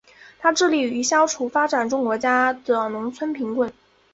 它致力于消除发展中国家的农村贫困。